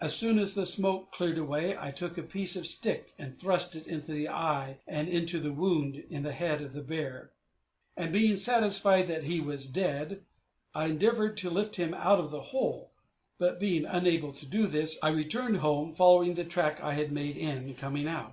As soon as the smoke cleared away, I took a piece of stick and thrust it into the eyes and into the wound in the head of the bear, and, being satisfied that he was dead, I endeavored to lift him out of the hole; but being unable to do this, I returned home, following the track I had made in coming out.